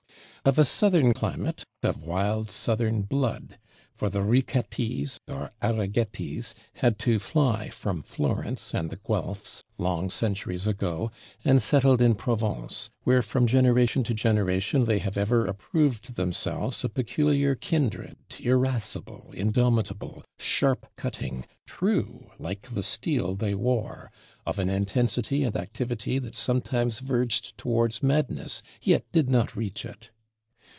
Of a southern climate, of wild southern blood: for the Riquettis, or Arrighettis, had to fly from Florence and the Guelfs, long centuries ago, and settled in Provence, where from generation to generation they have ever approved themselves a peculiar kindred, irascible, indomitable, sharp cutting, true, like the steel they wore; of an intensity and activity that sometimes verged towards madness, yet did not reach it.